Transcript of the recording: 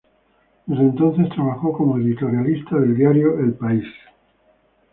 Desde entonces trabajó como editorialista del diario "El País".